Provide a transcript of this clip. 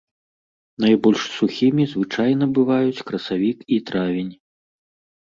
Найбольш сухімі звычайна бываюць красавік і травень.